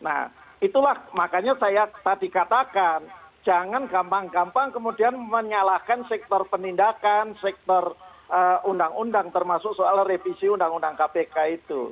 nah itulah makanya saya tadi katakan jangan gampang gampang kemudian menyalahkan sektor penindakan sektor undang undang termasuk soal revisi undang undang kpk itu